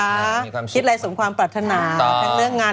ทุกสิ่งใดส่วนความประทนายเรื่องงาน